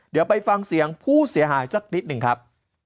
เดี๋ยวไปฟังเสียงผู้เสียหายสักนิดหนึ่งครับ